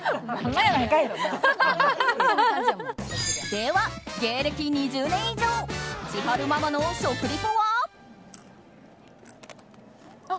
では芸歴２０年以上千春ママの食リポは。